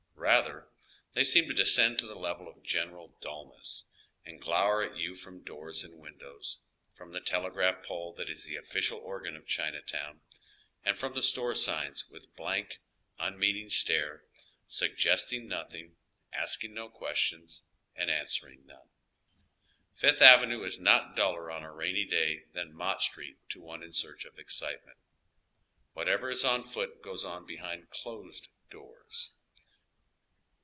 Rather, they seem to descend to the level of the general dulness, and ^glower at you from doors and oy Google 94 now THE OTIIEK HALF LIVES. windows, from the telegraph pole that is tlie official organ of Chinatown and from tlie store signs, with blank, un meaning stare, suggesting nothing, asking no questions, and answering none. Fifth Avenue is not duller on a rainy day than Mott Street to one in searcJi of excite ment. Whatever is on foot goes on behind closed doors.